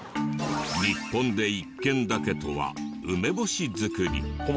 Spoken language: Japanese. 日本で１軒だけとは梅干し作り。